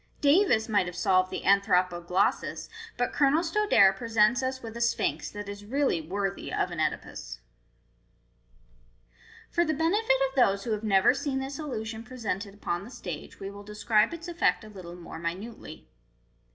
" Davus might have solved the ' Anthropoglossus,* but Colonel Stodare presents us with a Sphinx that is really worthy of an CEdipus." For the benefit of those who have never seen this illusion pre sented upon the stage, we will describe its effect a little more minutely.